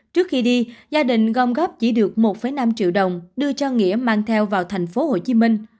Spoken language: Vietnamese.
trước khi đi gia đình gom góp chỉ được một năm triệu đồng đưa cho nghĩa mang theo vào tp hcm